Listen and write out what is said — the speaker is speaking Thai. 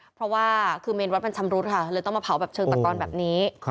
เพราะว่าคือเมนวัดมันชำรุดค่ะเลยต้องมาเผาแบบเชิงตะกอนแบบนี้